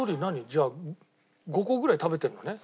じゃあ５個ぐらい食べてるのね。